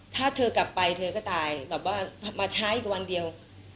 ถ้าเธอกลับไปเธอก็ตายแบบว่ามาช้าอีกวันเดียว